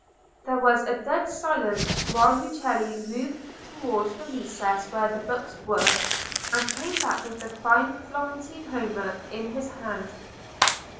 There was a dead silence while Rucellai moved towards the recess where the books were, and came back with the fine Florentine Homer in his hand.